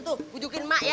tuh pujukin emak ya